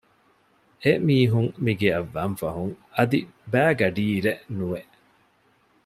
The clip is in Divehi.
އެ މީހުން މިގެއަށް ވަންފަހުން އަދި ބައިގަޑީއިރެއް ނުވެ